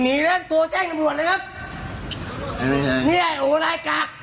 นี่ไงนี่ไง